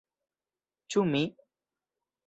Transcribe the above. Ĉu mi?!